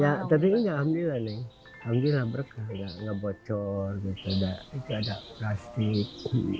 ya tapi ini alhamdulillah nih alhamdulillah berkah gak bocor gak ada plastik